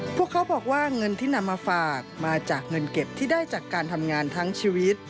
พวกเขาบอกว่าเงินที่นำมาฝากมาจากเงินเก็บที่ได้จากการทำงานทั้งชีวิต